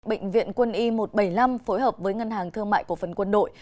bệnh viện quân y một trăm bảy mươi năm phối hợp với ngân hàng thương mại cổ phần quân đội